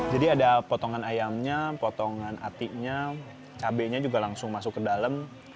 jadi ada potongan ayamnya potongan atiknya cabainya juga langsung masuk ke dalam